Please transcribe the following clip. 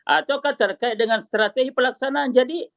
ataukah terkait dengan strategi pelaksanaan